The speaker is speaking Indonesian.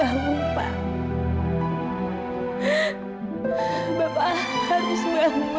aku tahu ini berat buat kamu